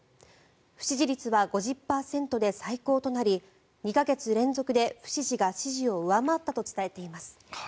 不支持率は５０％で最高となり２か月連続で不支持が支持を上回ったと伝えています。